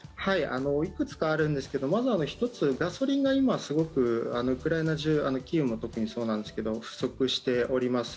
いくつかあるんですけどまず１つ、ガソリンが今すごくウクライナ中キーウも特にそうなんですけど不足しております。